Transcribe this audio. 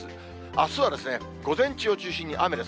あすは午前中を中心に雨です。